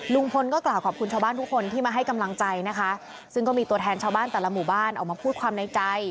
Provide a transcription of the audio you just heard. ลุงพลก็กล่าวขอบคุณชาวบ้านทุกคนที่มาให้กำลังใจนะคะซึ่งก็มีตัวแทนชาวบ้านแต่ละหมู่บ้านออกมาพูดความในใจ